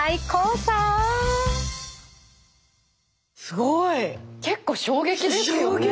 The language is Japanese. すごい！結構衝撃ですよね。